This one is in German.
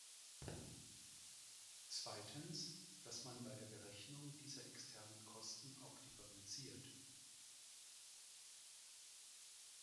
Zweitens, dass man bei der Berechnung dieser externen Kosten auch differenziert.